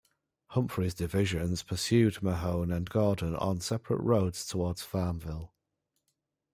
Humphreys's divisions pursued Mahone and Gordon on separate roads toward Farmville.